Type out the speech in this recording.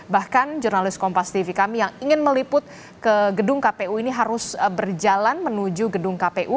bahkan jurnalis kompas tv kami yang ingin meliput ke gedung kpu ini harus berjalan menuju gedung kpu